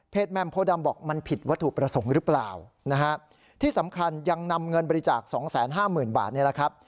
แม่มโพดำบอกมันผิดวัตถุประสงค์หรือเปล่านะฮะที่สำคัญยังนำเงินบริจาคสองแสนห้าหมื่นบาทนี่แหละครับ